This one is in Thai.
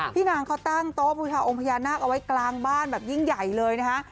พี่นางเขาตั้งโต๊ะบูชาองค์พญานาคเอาไว้กลางบ้านแบบยิ่งใหญ่เลยนะฮะ